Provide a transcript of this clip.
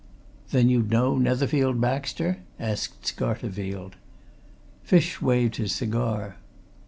"Then you'd know Netherfield Baxter?" asked Scarterfield. Fish waved his cigar.